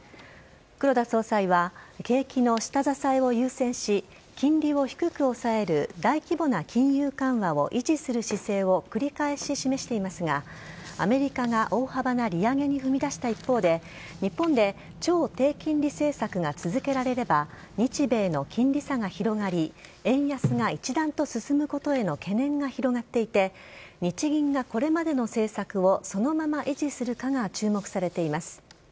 黒田総裁は景気の下支えを優先し金利を低く抑える大規模な金融緩和を維持する姿勢を繰り返し示していますがアメリカが大幅な利上げに踏み出した一方で日本で超低金利政策が続けられれば日米の金利差が広がり円安が一段と進むことへの懸念が広がっていて日銀がこれまでの政策をそのまま維持するかが注目されています。